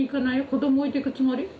子ども置いてくつもり？